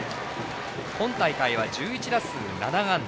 今大会は１１打数７安打。